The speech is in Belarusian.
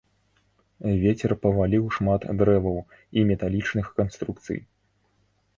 Вецер паваліў шмат дрэваў і металічных канструкцый.